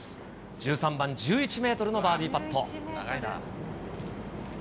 １３番、１１メートルのバーディーパット。